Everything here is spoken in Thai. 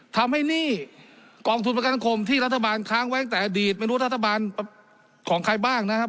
หนี้กองทุนประกันคมที่รัฐบาลค้างไว้ตั้งแต่อดีตไม่รู้รัฐบาลของใครบ้างนะครับ